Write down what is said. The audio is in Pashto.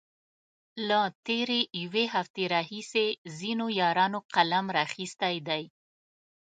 له تېرې يوې هفتې راهيسې ځينو يارانو قلم را اخستی دی.